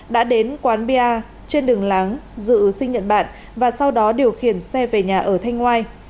đã đến quán pa trên đường láng giữ sinh nhận bạn và sau đó điều khiển xe về nhà ở thanh ngoài